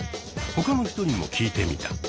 他の人にも聞いてみた。